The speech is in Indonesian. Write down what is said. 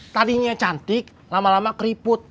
tadinya cantik lama lama keriput